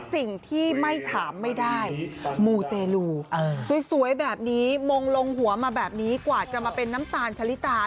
สิ่งที่ไม่ถามไม่ได้มูเตลูสวยแบบนี้มงลงหัวมาแบบนี้กว่าจะมาเป็นน้ำตาลชะลิตา